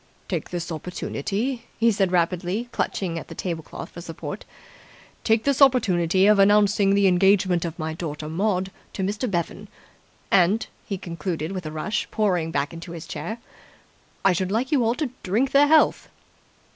"Take this opportunity," he said rapidly, clutching at the table cloth for support, "take this opportunity of announcing the engagement of my daughter Maud to Mr. Bevan. And," he concluded with a rush, pouring back into his chair, "I should like you all to drink their health!"